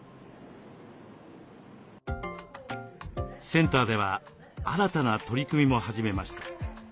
センターでは新たな取り組みも始めました。